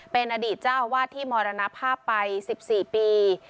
เป็นอดีตเจ้าอาวาสที่มรณภาพไป๑๔ปี